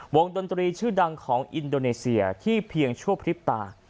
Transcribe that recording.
ดนตรีชื่อดังของอินโดนีเซียที่เพียงชั่วพริบตา